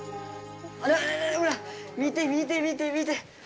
見て見て見て見て。